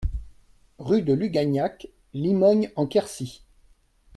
Rue de Lugagnac, Limogne-en-Quercy